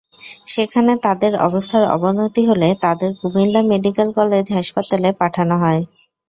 সেখানে তাঁদের অবস্থার অবনতি হলে তাঁদের কুমিল্লা মেডিকেল কলেজ হাসপাতালে পাঠানো হয়।